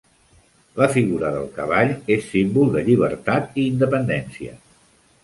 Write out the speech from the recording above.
La figura del cavall és símbol de llibertat i independència.